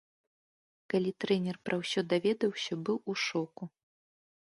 Калі трэнер пра ўсё даведаўся, быў у шоку.